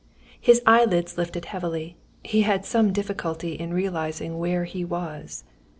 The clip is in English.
His eyelids lifted heavily; he had some difficulty in realising where he was.